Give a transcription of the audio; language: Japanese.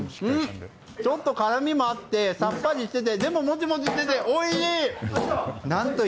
ちょっと辛みもあってさっぱりしていてでも、もちもちしてておいしい！